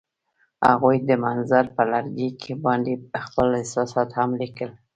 هغوی د منظر پر لرګي باندې خپل احساسات هم لیکل.